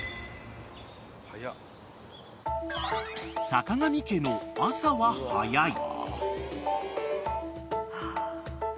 ［坂上家の朝は早い］